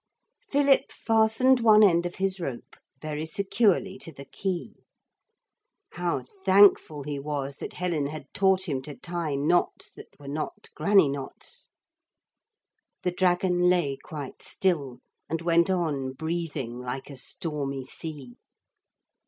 Philip fastened one end of his rope very securely to the key how thankful he was that Helen had taught him to tie knots that were not granny knots. The dragon lay quite still, and went on breathing like a stormy sea.